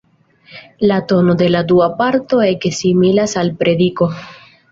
La tono de la dua parto ege similas al prediko.